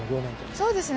そうですね